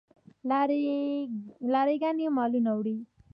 لاری ګانې مالونه وړي.